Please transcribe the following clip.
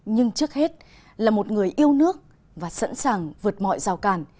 nhưng trước hết là một người yêu nước và sẵn sàng vượt mọi rào càn